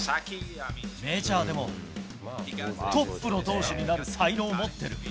メジャーでもトップの投手になる才能を持ってる。